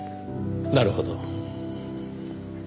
なるほど。